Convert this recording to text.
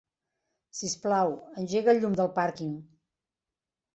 Sisplau, engega el llum del pàrquing.